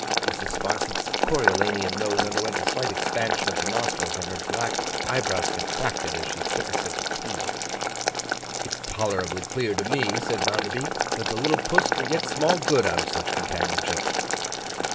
Mrs. Sparsit's Coriolanian nose underwent a slight expansion of the nostrils, and her black eyebrows contracted as she took a sip of tea. 'It's tolerably clear to me,' said Bounderby, 'that the little puss can get small good out of such companionship.